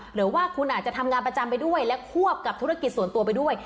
หรือว่าคุณอาจจะทำงานประจำไปด้วยและควบกับธุรกิจส่วนตัวไปด้วย